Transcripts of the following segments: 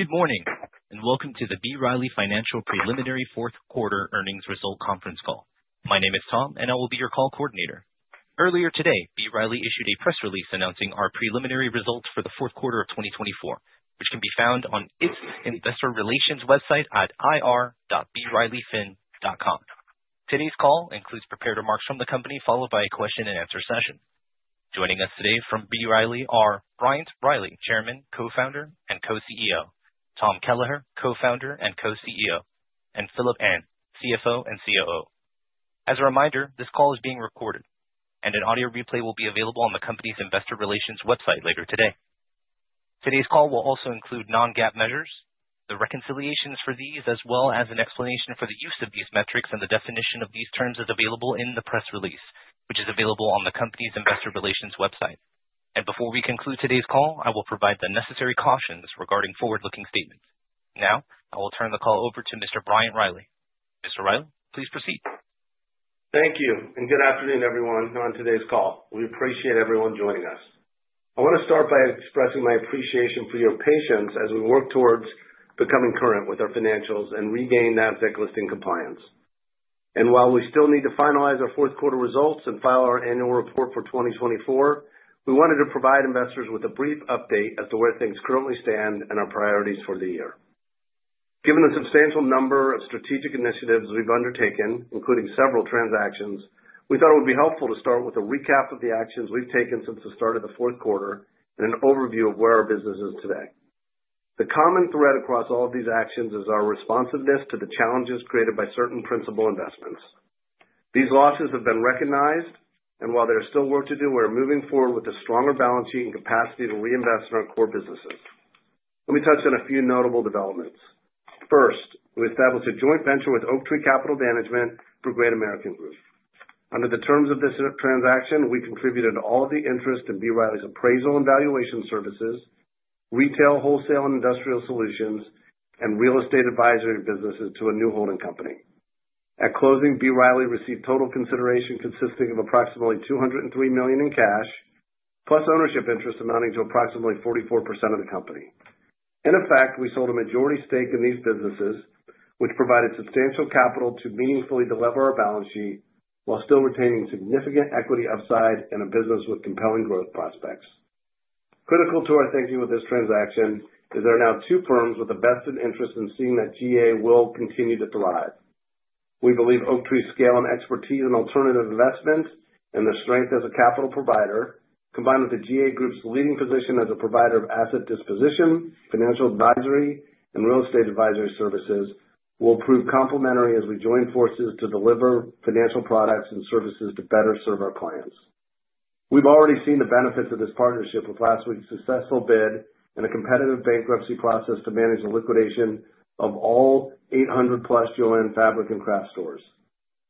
Good morning, and welcome to the B. Riley Financial Preliminary Fourth Quarter Earnings Result Conference Call. My name is Tom, and I will be your call coordinator. Earlier today, B. Riley issued a press release announcing our preliminary results for the fourth quarter of 2024, which can be found on its Investor Relations website at ir.brileyfin.com. Today's call includes prepared remarks from the company, followed by a question-and-answer session. Joining us today from B. Riley are Bryant Riley, Chairman, Co-founder, and Co-CEO; Tom Kelleher, Co-founder and Co-CEO; and Phillip Ahn, CFO and COO. As a reminder, this call is being recorded, and an audio replay will be available on the company's investor relations website later today. Today's call will also include non-GAAP measures, the reconciliations for these, as well as an explanation for the use of these metrics and the definition of these terms as available in the press release, which is available on the company's investor relations website. Before we conclude today's call, I will provide the necessary cautions regarding forward-looking statements. Now, I will turn the call over to Mr. Bryant Riley. Mr. Riley, please proceed. Thank you, and good afternoon, everyone, on today's call. We appreciate everyone joining us. I want to start by expressing my appreciation for your patience as we work towards becoming current with our financials and regain that listing compliance. While we still need to finalize our fourth quarter results and file our annual report for 2024, we wanted to provide investors with a brief update as to where things currently stand and our priorities for the year. Given the substantial number of strategic initiatives we've undertaken, including several transactions, we thought it would be helpful to start with a recap of the actions we've taken since the start of the fourth quarter and an overview of where our business is today. The common thread across all of these actions is our responsiveness to the challenges created by certain principal investments. These losses have been recognized, and while there is still work to do, we are moving forward with a stronger balance sheet and capacity to reinvest in our core businesses. Let me touch on a few notable developments. First, we established a joint venture with Oaktree Capital Management for Great American Group. Under the terms of this transaction, we contributed all of the interest in B. Riley's appraisal and valuation services, retail, wholesale, and industrial solutions, and real estate advisory businesses to a new holding company. At closing, B. Riley received total consideration consisting of approximately $203 million in cash, plus ownership interest amounting to approximately 44% of the company. In effect, we sold a majority stake in these businesses, which provided substantial capital to meaningfully delever our balance sheet while still retaining significant equity upside in a business with compelling growth prospects. Critical to our thinking with this transaction is there are now two firms with the best of interest in seeing that GA will continue to thrive. We believe Oaktree's scale and expertise in alternative investments and their strength as a capital provider, combined with the GA Group's leading position as a provider of asset disposition, financial advisory, and real estate advisory services, will prove complementary as we join forces to deliver financial products and services to better serve our clients. We've already seen the benefits of this partnership with last week's successful bid in a competitive bankruptcy process to manage the liquidation of all 800-plus Jo-Ann Fabric and Craft Stores.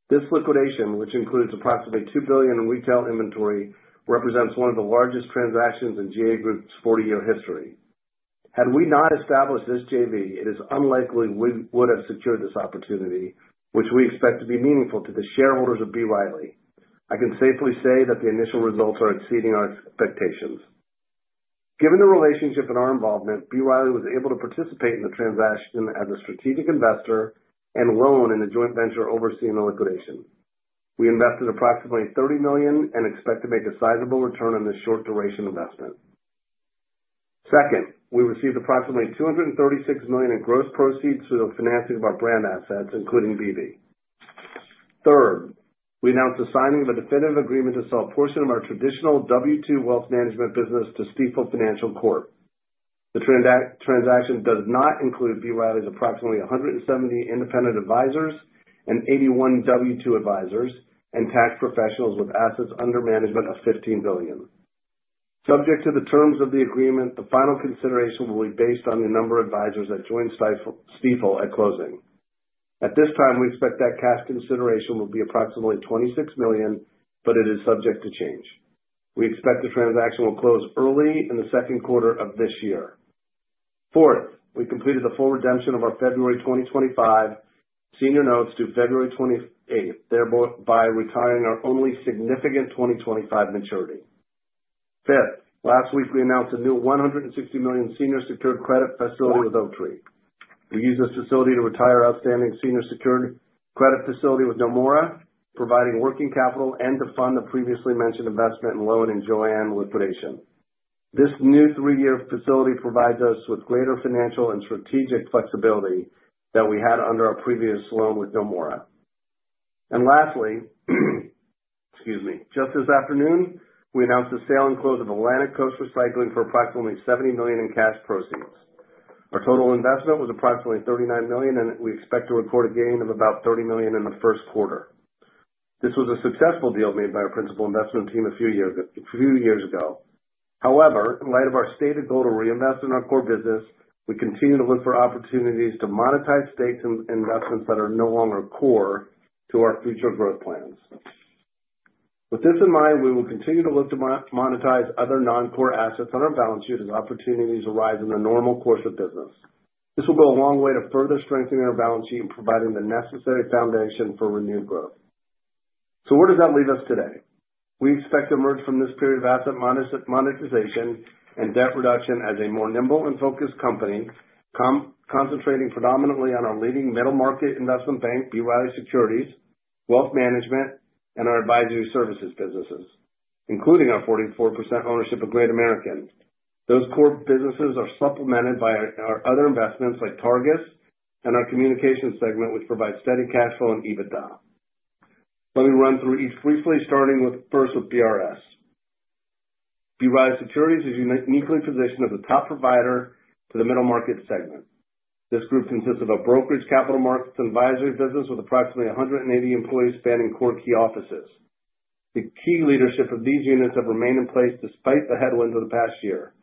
This liquidation, which includes approximately $2 billion in retail inventory, represents one of the largest transactions in GA Group's 40-year history. Had we not established this JV, it is unlikely we would have secured this opportunity, which we expect to be meaningful to the shareholders of B. Riley. I can safely say that the initial results are exceeding our expectations. Given the relationship and our involvement, B. Riley was able to participate in the transaction as a strategic investor and loan in the joint venture overseeing the liquidation. We invested approximately $30 million and expect to make a sizable return on this short-duration investment. Second, we received approximately $236 million in gross proceeds through the financing of our brand assets, including bebe. Third, we announced the signing of a definitive agreement to sell a portion of our traditional W-2 wealth management business to Stifel Financial. The transaction does not include B. Riley's approximately 170 independent advisors and 81 W-2 advisors and tax professionals with assets under management of $15 billion. Subject to the terms of the agreement, the final consideration will be based on the number of advisors that joined Stifel at closing. At this time, we expect that cash consideration will be approximately $26 million, but it is subject to change. We expect the transaction will close early in the second quarter of this year. Fourth, we completed the full redemption of our February 2025 senior notes due February 28, thereby retiring our only significant 2025 maturity. Fifth, last week we announced a new $160 million senior secured credit facility with Oaktree. We use this facility to retire outstanding senior secured credit facility with Nomura, providing working capital and to fund the previously mentioned investment in loan in JoAnn liquidation. This new three-year facility provides us with greater financial and strategic flexibility than we had under our previous loan with Nomura. Lastly, excuse me, just this afternoon, we announced the sale and close of Atlantic Coast Recycling for approximately $70 million in cash proceeds. Our total investment was approximately $39 million, and we expect to record a gain of about $30 million in the first quarter. This was a successful deal made by our principal investment team a few years ago. However, in light of our stated goal to reinvest in our core business, we continue to look for opportunities to monetize stakes in investments that are no longer core to our future growth plans. With this in mind, we will continue to look to monetize other non-core assets on our balance sheet as opportunities arise in the normal course of business. This will go a long way to further strengthening our balance sheet and providing the necessary foundation for renewed growth. Where does that leave us today? We expect to emerge from this period of asset monetization and debt reduction as a more nimble and focused company, concentrating predominantly on our leading middle-market investment bank, B. Riley Securities, wealth management, and our advisory services businesses, including our 44% ownership of Great American. Those core businesses are supplemented by our other investments like Targus and our communications segment, which provides steady cash flow and EBITDA. Let me run through each briefly, starting first with BRS. B. Riley Securities is uniquely positioned as a top provider to the middle-market segment. This group consists of a brokerage, capital markets, and advisory business with approximately 180 employees spanning core key offices. The key leadership of these units have remained in place despite the headwinds of the past year.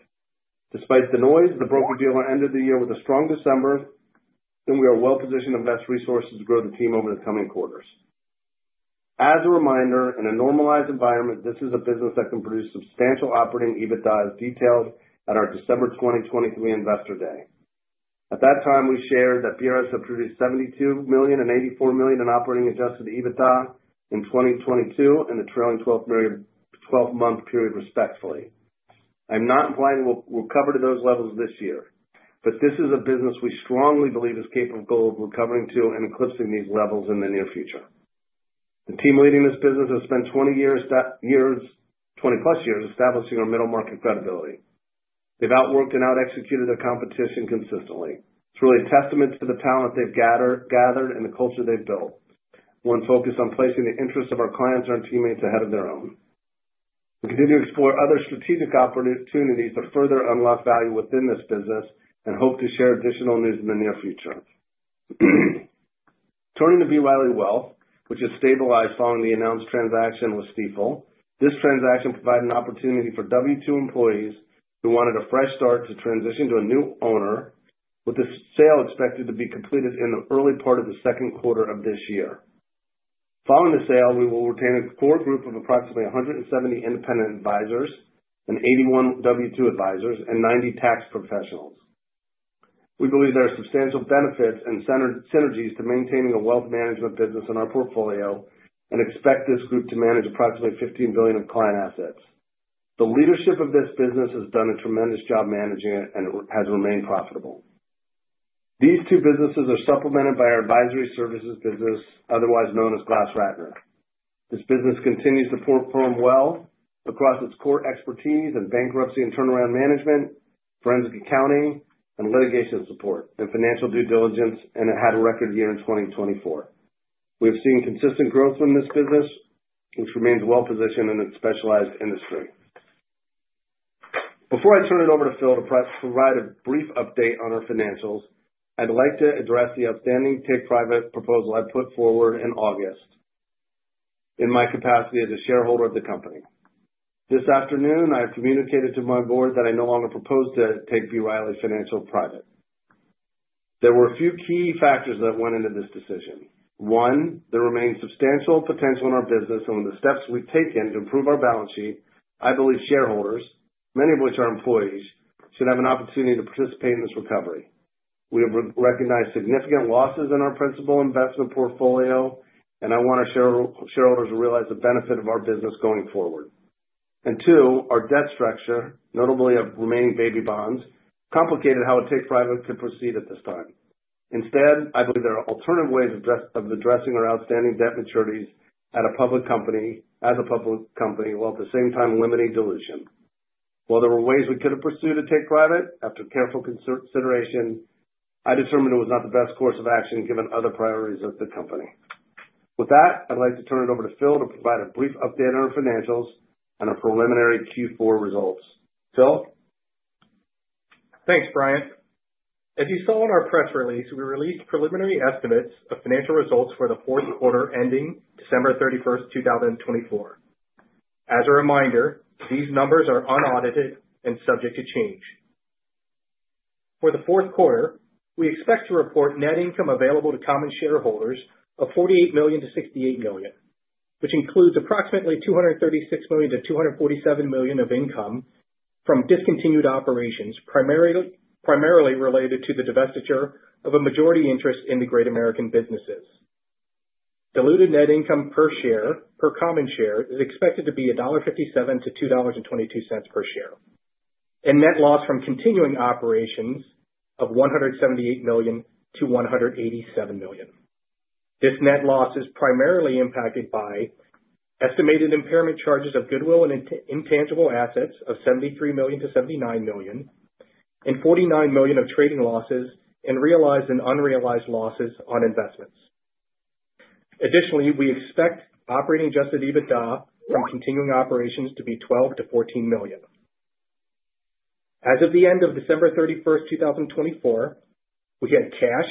Despite the noise, the broker-dealer ended the year with a strong December, and we are well positioned to invest resources to grow the team over the coming quarters. As a reminder, in a normalized environment, this is a business that can produce substantial operating EBITDA as detailed at our December 2023 investor day. At that time, we shared that BRS had produced $72 million and $84 million in operating adjusted EBITDA in 2022 and a trailing 12-month period, respectively. I'm not implying we'll recover to those levels this year, but this is a business we strongly believe is capable of recovering to and eclipsing these levels in the near future. The team leading this business has spent 20-plus years establishing our middle-market credibility. They've outworked and out-executed their competition consistently. It's really a testament to the talent they've gathered and the culture they've built, one focused on placing the interests of our clients and our teammates ahead of their own. We continue to explore other strategic opportunities to further unlock value within this business and hope to share additional news in the near future. Turning to B. Riley Wealth, which has stabilized following the announced transaction with Stifel, this transaction provided an opportunity for W-2 employees who wanted a fresh start to transition to a new owner, with the sale expected to be completed in the early part of the second quarter of this year. Following the sale, we will retain a core group of approximately 170 independent advisors, 81 W-2 advisors, and 90 tax professionals. We believe there are substantial benefits and synergies to maintaining a wealth management business in our portfolio and expect this group to manage approximately $15 billion in client assets. The leadership of this business has done a tremendous job managing it and has remained profitable. These two businesses are supplemented by our advisory services business, otherwise known as GlassRatner. This business continues to perform well across its core expertise in bankruptcy and turnaround management, forensic accounting, and litigation support and financial due diligence, and it had a record year in 2024. We have seen consistent growth in this business, which remains well positioned in its specialized industry. Before I turn it over to Phil to provide a brief update on our financials, I'd like to address the outstanding take-private proposal I put forward in August in my capacity as a shareholder of the company. This afternoon, I have communicated to my board that I no longer propose to take B. Riley Financial private. There were a few key factors that went into this decision. One, there remains substantial potential in our business, and with the steps we've taken to improve our balance sheet, I believe shareholders, many of which are employees, should have an opportunity to participate in this recovery. We have recognized significant losses in our principal investment portfolio, and I want our shareholders to realize the benefit of our business going forward. Two, our debt structure, notably of remaining baby bonds, complicated how a take-private could proceed at this time. Instead, I believe there are alternative ways of addressing our outstanding debt maturities as a public company, while at the same time limiting dilution. While there were ways we could have pursued a take-private after careful consideration, I determined it was not the best course of action given other priorities of the company. With that, I'd like to turn it over to Phil to provide a brief update on our financials and our preliminary Q4 results. Phil? Thanks, Bryant. As you saw in our press release, we released preliminary estimates of financial results for the fourth quarter ending December 31, 2024. As a reminder, these numbers are unaudited and subject to change. For the fourth quarter, we expect to report net income available to common shareholders of $48 million-$68 million, which includes approximately $236 million-$247 million of income from discontinued operations, primarily related to the divestiture of a majority interest in the Great American businesses. Diluted net income per share per common share is expected to be $1.57-$2.22 per share, and net loss from continuing operations of $178 million-$187 million. This net loss is primarily impacted by estimated impairment charges of goodwill and intangible assets of $73 million-$79 million, and $49 million of trading losses and realized and unrealized losses on investments. Additionally, we expect operating adjusted EBITDA from continuing operations to be $12 million-$14 million. As of the end of December 31, 2024, we had cash,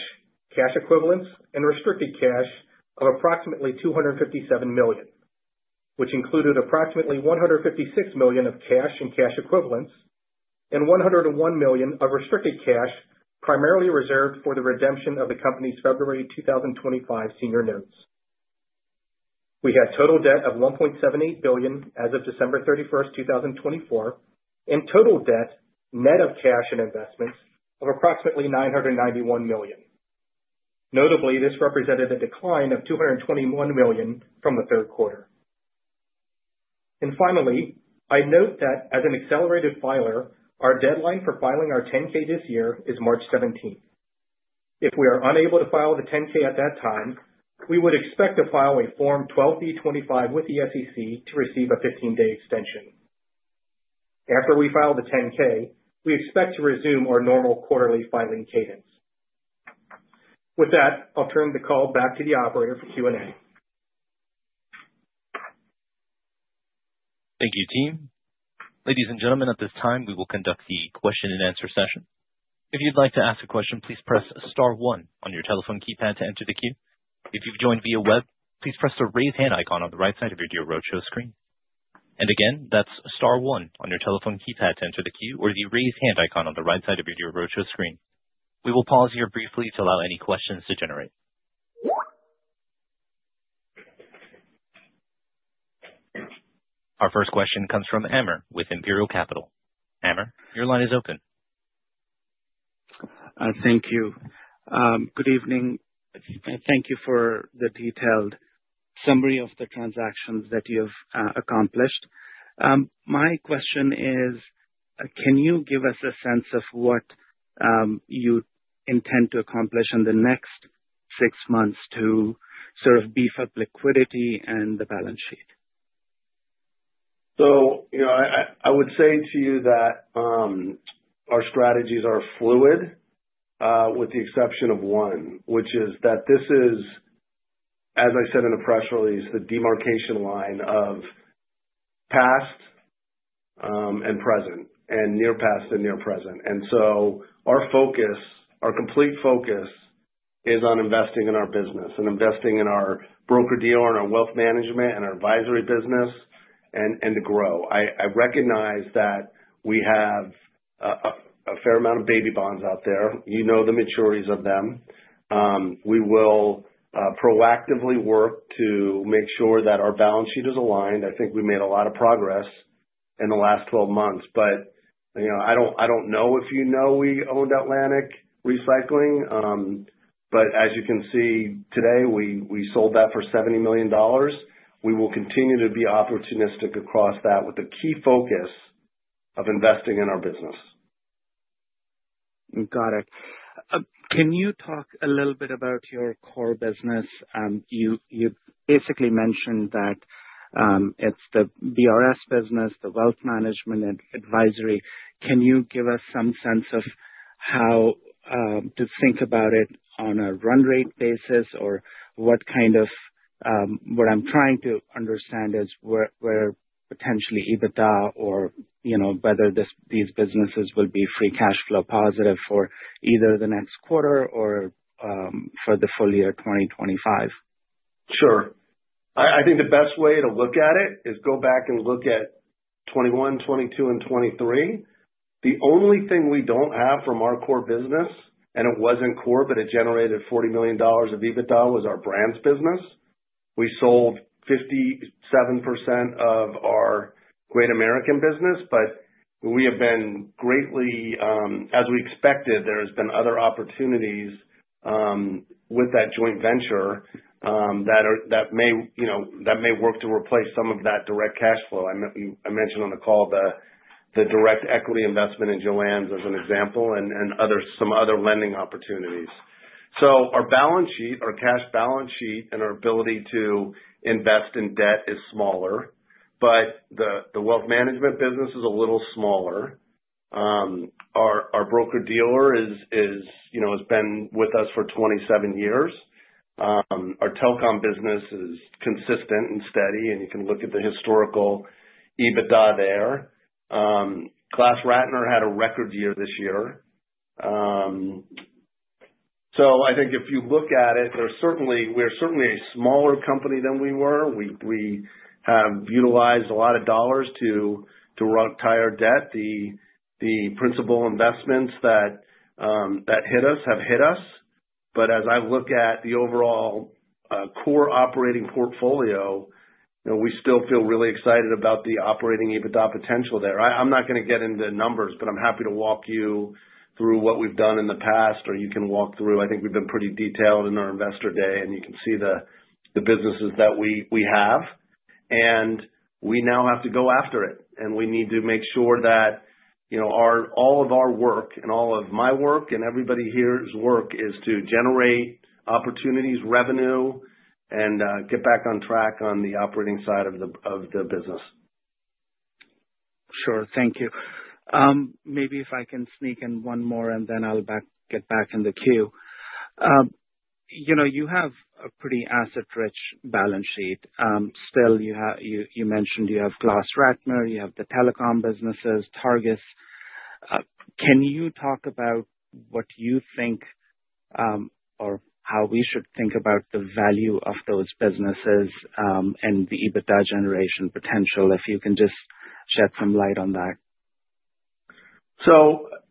cash equivalents, and restricted cash of approximately $257 million, which included approximately $156 million of cash and cash equivalents, and $101 million of restricted cash primarily reserved for the redemption of the company's February 2025 senior notes. We had total debt of $1.78 billion as of December 31, 2024, and total debt net of cash and investments of approximately $991 million. Notably, this represented a decline of $221 million from the third quarter. Finally, I note that as an accelerated filer, our deadline for filing our 10-K this year is March 17. If we are unable to file the 10-K at that time, we would expect to file a Form 12b-25 with the SEC to receive a 15-day extension. After we file the 10-K, we expect to resume our normal quarterly filing cadence. With that, I'll turn the call back to the operator for Q&A. Thank you, team. Ladies and gentlemen, at this time, we will conduct the question-and-answer session. If you'd like to ask a question, please press star one on your telephone keypad to enter the queue. If you've joined via web, please press the raise-hand icon on the right side of your Deal Roadshow screen. Again, that's star one on your telephone keypad to enter the queue, or the raise-hand icon on the right side of your Deal Roadshow screen. We will pause here briefly to allow any questions to generate. Our first question comes from Amer with Imperial Capital. Amer, your line is open. Thank you. Good evening. Thank you for the detailed summary of the transactions that you have accomplished. My question is, can you give us a sense of what you intend to accomplish in the next six months to sort of beef up liquidity and the balance sheet? I would say to you that our strategies are fluid, with the exception of one, which is that this is, as I said in the press release, the demarcation line of past and present and near past and near present. Our focus, our complete focus, is on investing in our business and investing in our broker-dealer and our wealth management and our advisory business and to grow. I recognize that we have a fair amount of baby bonds out there. You know the maturities of them. We will proactively work to make sure that our balance sheet is aligned. I think we made a lot of progress in the last 12 months, but I don't know if you know we owned Atlantic Coast Recycling, but as you can see today, we sold that for $70 million. We will continue to be opportunistic across that with a key focus of investing in our business. Got it. Can you talk a little bit about your core business? You basically mentioned that it's the BRS business, the wealth management and advisory. Can you give us some sense of how to think about it on a run rate basis or what kind of what I'm trying to understand is where potentially EBITDA or whether these businesses will be free cash flow positive for either the next quarter or for the full year 2025? Sure. I think the best way to look at it is go back and look at 2021, 2022, and 2023. The only thing we do not have from our core business, and it was not core, but it generated $40 million of EBITDA, was our brands business. We sold 57% of our Great American business, but we have been greatly, as we expected, there have been other opportunities with that joint venture that may work to replace some of that direct cash flow. I mentioned on the call the direct equity investment in Jo-Ann Fabric and Craft Stores as an example and some other lending opportunities. Our balance sheet, our cash balance sheet, and our ability to invest in debt is smaller, but the wealth management business is a little smaller. Our broker-dealer has been with us for 27 years. Our telecom business is consistent and steady, and you can look at the historical EBITDA there. GlassRatner had a record year this year. I think if you look at it, we're certainly a smaller company than we were. We have utilized a lot of dollars to tire debt. The principal investments that hit us have hit us. As I look at the overall core operating portfolio, we still feel really excited about the operating EBITDA potential there. I'm not going to get into numbers, but I'm happy to walk you through what we've done in the past, or you can walk through. I think we've been pretty detailed in our investor day, and you can see the businesses that we have. We now have to go after it, and we need to make sure that all of our work and all of my work and everybody here's work is to generate opportunities, revenue, and get back on track on the operating side of the business. Sure. Thank you. Maybe if I can sneak in one more, and then I'll get back in the queue. You have a pretty asset-rich balance sheet. Still, you mentioned you have GlassRatner, you have the telecom businesses, Targus. Can you talk about what you think or how we should think about the value of those businesses and the EBITDA generation potential if you can just shed some light on that?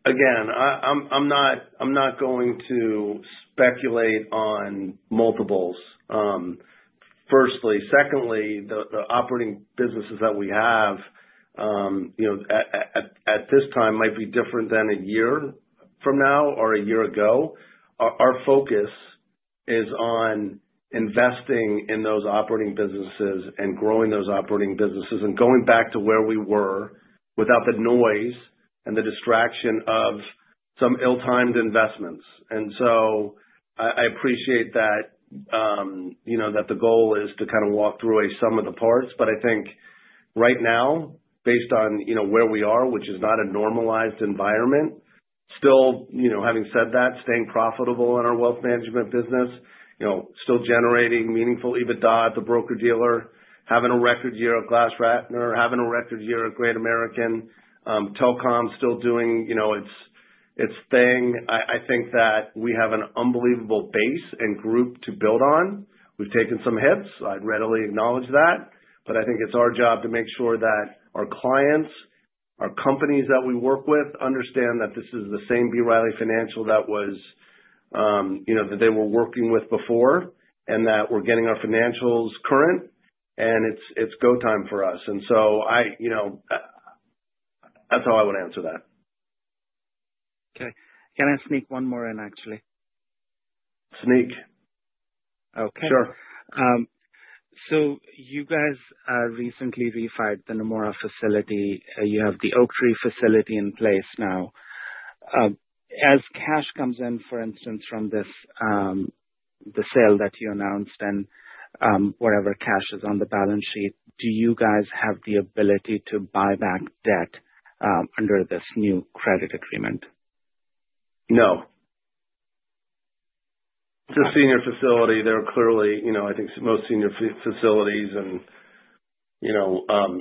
I'm not going to speculate on multiples. Firstly. Secondly, the operating businesses that we have at this time might be different than a year from now or a year ago. Our focus is on investing in those operating businesses and growing those operating businesses and going back to where we were without the noise and the distraction of some ill-timed investments. I appreciate that the goal is to kind of walk through some of the parts, but I think right now, based on where we are, which is not a normalized environment, still having said that, staying profitable in our wealth management business, still generating meaningful EBITDA at the broker-dealer, having a record year at GlassRatner, having a record year at Great American, telecom still doing its thing. I think that we have an unbelievable base and group to build on. We've taken some hits. I'd readily acknowledge that, but I think it's our job to make sure that our clients, our companies that we work with, understand that this is the same B. Riley Financial that they were working with before and that we're getting our financials current, and it's go time for us. That's how I would answer that. Okay. Can I sneak one more in, actually? Sneak. Okay. Sure. You guys recently refinanced the Nomura facility. You have the Oaktree facility in place now. As cash comes in, for instance, from the sale that you announced and whatever cash is on the balance sheet, do you guys have the ability to buy back debt under this new credit agreement? No. Just senior facility. There are clearly, I think, most senior facilities, and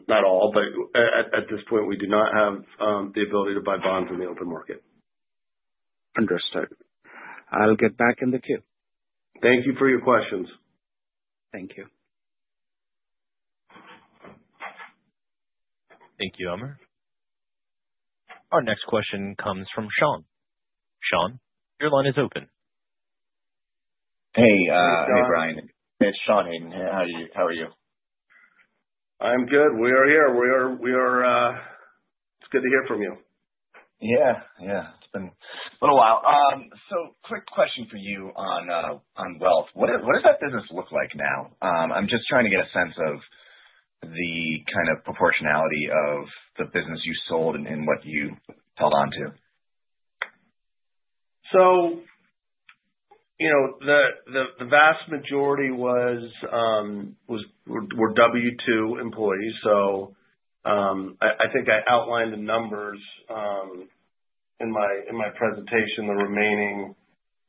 not all, but at this point, we do not have the ability to buy bonds in the open market. Understood. I'll get back in the queue. Thank you for your questions. Thank you. Thank you, Amer. Our next question comes from Sean. Sean, your line is open. Hey. Hey, Bryan. It's Sean Hayden. How are you? I'm good. We are here. It's good to hear from you. Yeah. Yeah. It's been a little while. Quick question for you on wealth. What does that business look like now? I'm just trying to get a sense of the kind of proportionality of the business you sold and what you held on to. The vast majority were W-2 employees. I think I outlined the numbers in my presentation, the remaining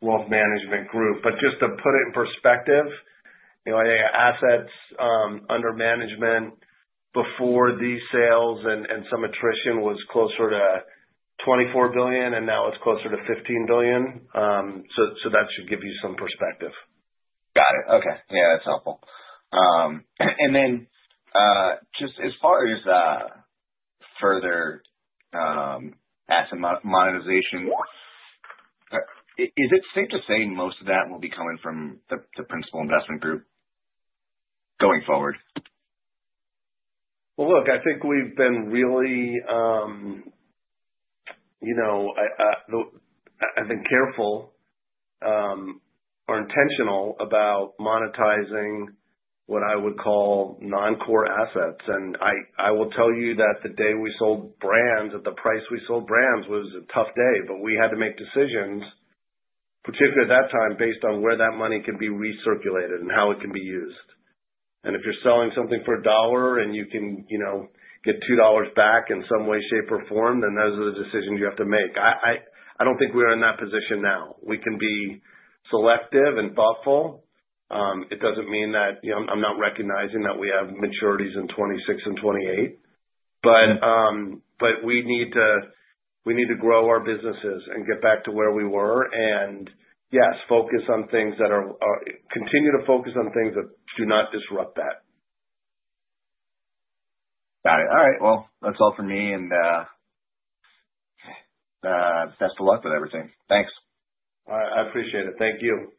wealth management group. Just to put it in perspective, assets under management before these sales and some attrition was closer to $24 billion, and now it's closer to $15 billion. That should give you some perspective. Got it. Okay. Yeah. That's helpful. Just as far as further asset monetization, is it safe to say most of that will be coming from the principal investment group going forward? I think we've been really, I've been careful or intentional about monetizing what I would call non-core assets. I will tell you that the day we sold Brands, at the price we sold Brands, was a tough day, but we had to make decisions, particularly at that time, based on where that money could be recirculated and how it can be used. If you're selling something for a dollar and you can get $2 back in some way, shape, or form, then those are the decisions you have to make. I don't think we are in that position now. We can be selective and thoughtful. It doesn't mean that I'm not recognizing that we have maturities in 2026 and 2028, but we need to grow our businesses and get back to where we were and, yes, focus on things that are continue to focus on things that do not disrupt that. Got it. All right. That's all for me. Best of luck with everything. Thanks. All right. I appreciate it. Thank you.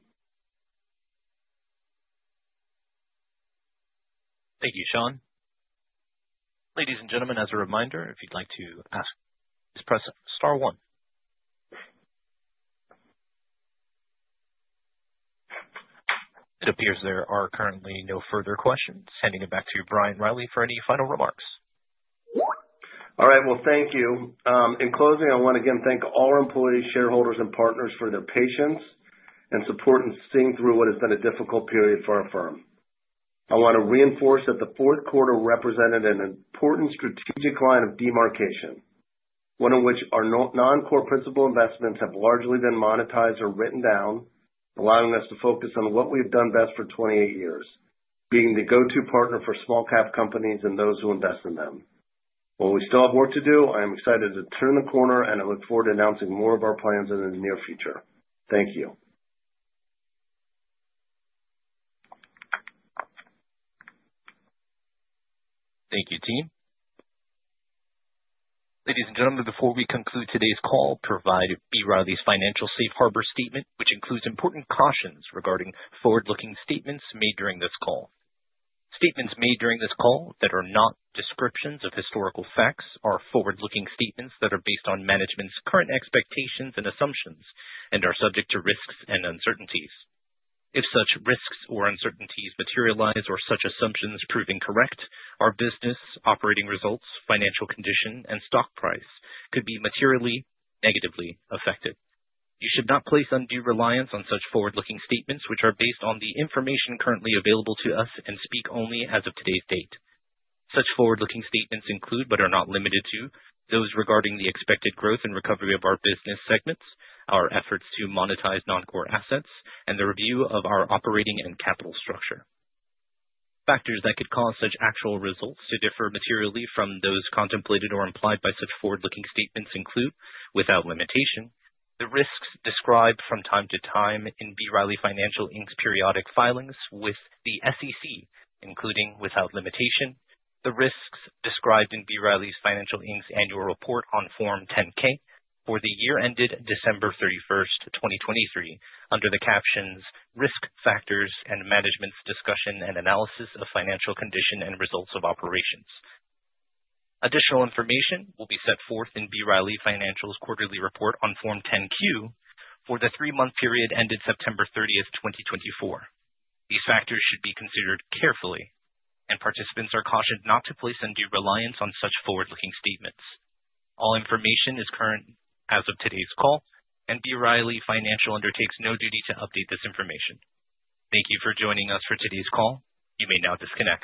Thank you, Sean. Ladies and gentlemen, as a reminder, if you'd like to ask, please press star one. It appears there are currently no further questions. Handing it back to Bryant Riley for any final remarks. All right. Thank you. In closing, I want to again thank all our employees, shareholders, and partners for their patience and support in seeing through what has been a difficult period for our firm. I want to reinforce that the fourth quarter represented an important strategic line of demarcation, one in which our non-core principal investments have largely been monetized or written down, allowing us to focus on what we've done best for 28 years, being the go-to partner for small-cap companies and those who invest in them. While we still have work to do, I am excited to turn the corner, and I look forward to announcing more of our plans in the near future. Thank you. Thank you, team. Ladies and gentlemen, before we conclude today's call, provide B. Riley Financial's Safe Harbor Statement, which includes important cautions regarding forward-looking statements made during this call. Statements made during this call that are not descriptions of historical facts are forward-looking statements that are based on management's current expectations and assumptions and are subject to risks and uncertainties. If such risks or uncertainties materialize or such assumptions prove incorrect, our business, operating results, financial condition, and stock price could be materially negatively affected. You should not place undue reliance on such forward-looking statements, which are based on the information currently available to us and speak only as of today's date. Such forward-looking statements include, but are not limited to, those regarding the expected growth and recovery of our business segments, our efforts to monetize non-core assets, and the review of our operating and capital structure. Factors that could cause such actual results to differ materially from those contemplated or implied by such forward-looking statements include, without limitation, the risks described from time to time in B. Riley Financial's periodic filings with the SEC, including without limitation, the risks described in B. Riley Financial's annual report on Form 10-K for the year ended December 31, 2023, under the captions Risk Factors and Management's Discussion and Analysis of Financial Condition and Results of Operations. Additional information will be set forth in B. Riley Financial's quarterly report on Form 10-Q for the three-month period ended September 30, 2024. These factors should be considered carefully, and participants are cautioned not to place undue reliance on such forward-looking statements. All information is current as of today's call, and B. Riley Financial undertakes no duty to update this information. Thank you for joining us for today's call. You may now disconnect.